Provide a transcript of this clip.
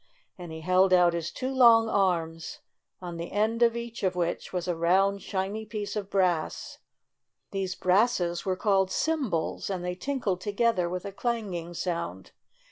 and he held out his two long arms, on the end of each of which was a round, shiny piece of brass. These brasses were called "cymbals," and they tinkled together with a clanging sound.